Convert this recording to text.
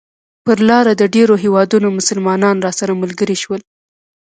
پر لاره د ډېرو هېوادونو مسلمانان راسره ملګري شول.